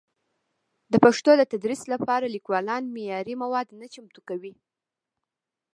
د پښتو د تدریس لپاره لیکوالان معیاري مواد نه چمتو کوي.